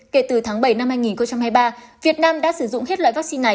kể từ tháng bảy năm hai nghìn hai mươi ba việt nam đã sử dụng hết loại vaccine này